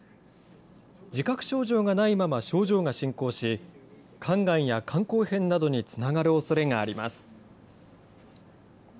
自覚症状がないまま症状が進行し、肝がんや肝硬変などにつながるおそれがあります。